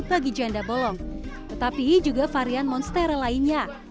bagi janda bolong tetapi juga varian monstera lainnya